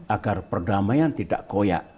agar perdamaian tidak koyak